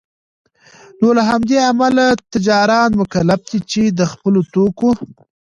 نوله همدې امله تجاران مکلف دی چي دخپلو توکو